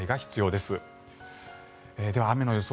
では、雨の予想。